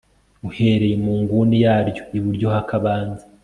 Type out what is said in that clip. Uhereye mu nguni yaryo iburyo hakabanza